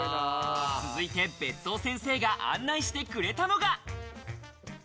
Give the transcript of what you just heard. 続いて別荘先生が案内してくれたのが。